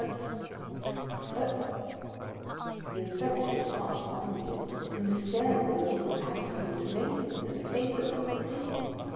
But but " The inspector had stopped suddenly, and was staring with a look of absolute amazement at a paper upon the table.